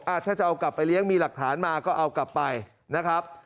ถ้าจะเอากลับไปเลี้ยงมีหลักฐานมาก็เอากลับไปนะครับ